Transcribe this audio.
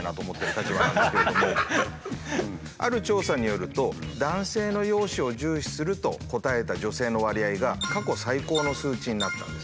ある調査によると男性の容姿を重視すると答えた女性の割合が過去最高の数値になったんですね。